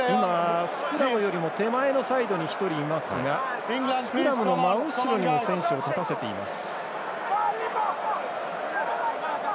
スクラムよりも手前のサイドに１人いますがスクラムの真後ろにも選手を立たせています。